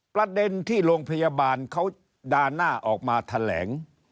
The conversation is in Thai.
ประเด็นที่โรงพยาบาลเขาด่าหน้าออกมาแถลง